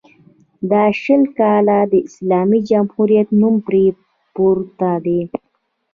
دا شل کاله د اسلامي جمهوریت نوم پرې پروت دی.